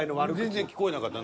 全然聞こえなかった。